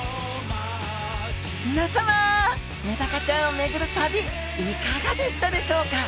皆さまメダカちゃんを巡る旅いかがでしたでしょうか？